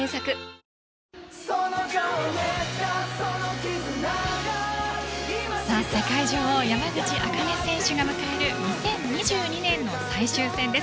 ＪＴ世界女王・山口茜選手が迎える２０２２年の最終戦です。